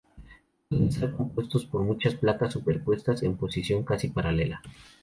Pueden estar compuestos por muchas placas superpuestas en posición casi paralela.